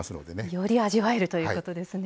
より味わえるということですね。